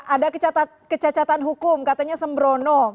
ada kecacatan hukum katanya sembrono